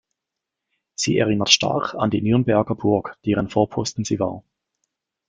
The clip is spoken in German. Sie erinnert stark an die Nürnberger Burg, deren Vorposten sie war.